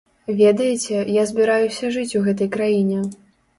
Ведаеце, я збіраюся жыць у гэтай краіне.